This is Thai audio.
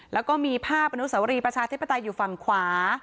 แล้วก็มีภาพอนุสวรีประชาธิปไตยอยู่ฝั่งขวา